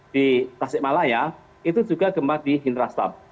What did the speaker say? di tasikmalaya itu juga gempa di interaslam